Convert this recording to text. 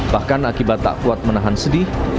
bahkan akibat tak kuat menahan sedih